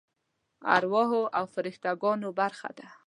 ارواحو او فرشته ګانو برخه ده.